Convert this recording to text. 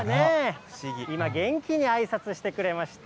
今、元気にあいさつしてくれました。